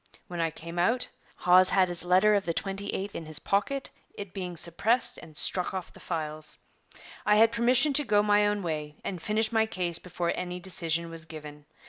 When I came out, Hawes had his letter of the 28th in his pocket, it being suppressed and struck off the files. I had permission to go my own way and finish my case before any decision was given.